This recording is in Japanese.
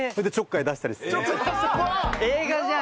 映画じゃん。